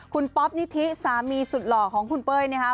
คุณป๊อปนิธิสามีสุดหล่อของคุณเป้ยนะครับ